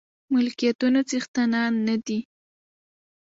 ملکيتونو څښتنان نه دي.